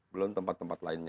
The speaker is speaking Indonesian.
belum tempat tempat lainnya